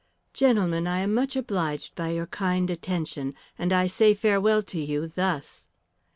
Gentlemen, I am much obliged by your kind attention, and I say farewell to you, thus."